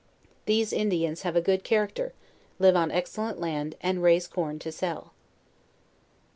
These Indians have 'a good charac ter, live on excellent land, and raise corn to sell.